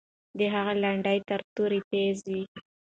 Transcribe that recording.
د هغې لنډۍ تر تورې تیزې وې.